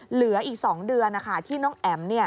เหลืออีก๒เดือนที่น้องแอ๋ม